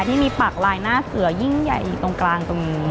ที่มีปากลายหน้าเสือยิ่งใหญ่อยู่ตรงกลางตรงนี้